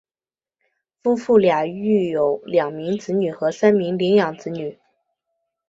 夫妇俩育有两名子女和三名领养子女。